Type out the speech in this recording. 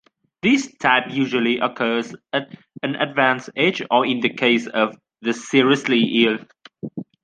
This type usually occurs at an advanced age or in the case of the seriously ill.